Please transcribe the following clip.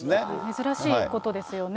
珍しいことですよね。